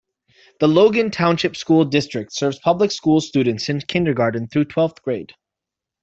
The Logan Township School District serves public school students in kindergarten through twelfth grade.